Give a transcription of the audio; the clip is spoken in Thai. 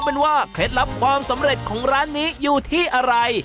เทศรัพย์ความสำเร็จของร้านนี้อยู่ที่อะไร